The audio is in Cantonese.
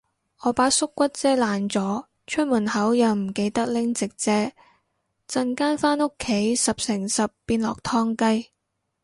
我把縮骨遮爛咗，出門口又唔記得拎直遮，陣間返屋企十成十變落湯雞